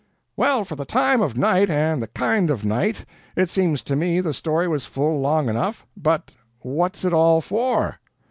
"Well, for the TIME of night, and the KIND of night, it seems to me the story was full long enough. But what's it all FOR?"